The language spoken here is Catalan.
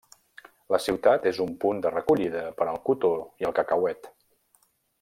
La ciutat és un punt de recollida per al cotó i el cacauet.